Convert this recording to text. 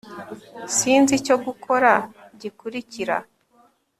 sinzi icyo gukora gikurikira